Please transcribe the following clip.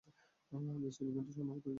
পিস্তল ইভেন্টে স্বর্ণ পদক জেতেন।